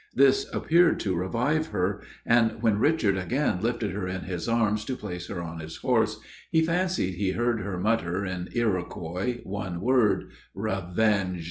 This appeared to revive her; and when Richard again lifted her in his arms to place her on his horse, he fancied he heard her mutter, in Iroquois, one word, "revenged!"